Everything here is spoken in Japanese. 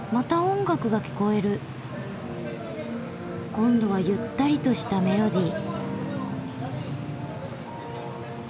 今度はゆったりとしたメロディー。